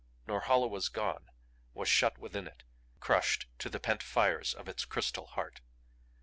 Norhala was gone was shut within it. Crushed to the pent fires of its crystal heart.